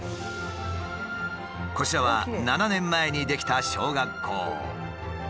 こちらは７年前に出来た小学校。